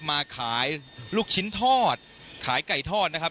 มาขายลูกชิ้นทอดขายไก่ทอดนะครับ